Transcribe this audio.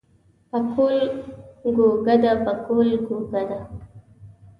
پکول ګو کده پکول ګو کده.